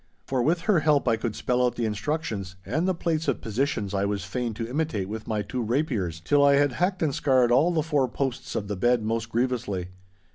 For with her help I could spell out the instructions, and the plates of positions I was fain to imitate with my two rapiers, till I had hacked and scarred all the four posts of the bed most grievously.